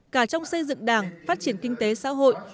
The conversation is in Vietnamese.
cả trong xây dựng đảng phát triển kinh tế xã hội